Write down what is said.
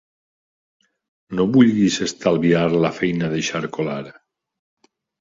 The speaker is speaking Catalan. No vulguis estalviar la feina d'eixarcolar.